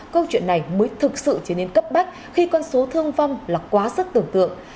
câu chuyện này mới thực sự trở nên cấp bách khi con số thương vong là quá sức tưởng tượng